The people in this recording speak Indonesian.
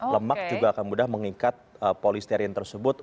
lemak juga akan mudah mengikat polisterin tersebut